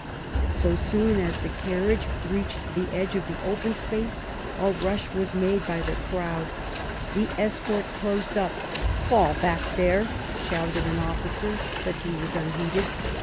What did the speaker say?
So soon as the carriage reached the edge of the open space, a rush was made by the crowd. The escort closed up; "Fall back there!" shouted an officer, but he was unheeded.